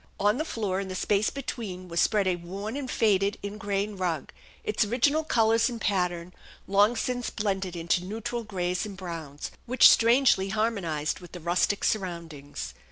On the floor in the space between was spread a worn and faded ingrain rug, its original colors and pattern long since blended into neutral grays and browns, which strangely harmonized with the rustic surroundings.